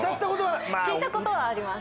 聴いたことはあります。